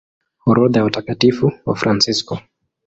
Orodha ya Watakatifu Wafransisko